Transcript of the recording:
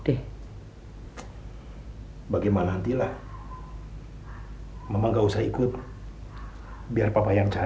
saya yakin kalau istrinya belum tahu kalau bram ditangkap